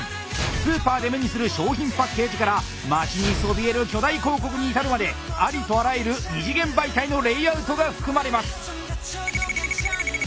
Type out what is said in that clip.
スーパーで目にする街にそびえる巨大広告に至るまでありとあらゆる二次元媒体のレイアウトが含まれます。